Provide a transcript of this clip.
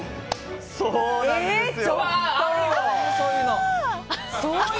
そうなんですよ。